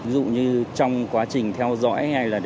ví dụ như trong quá trình theo dõi hay là